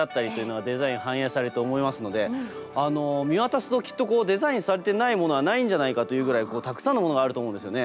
見渡すときっとデザインされてないものはないんじゃないかというぐらいたくさんのものがあると思うんですよね。